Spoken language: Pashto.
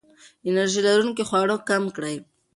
انرژي لرونکي خواړه کم کړئ.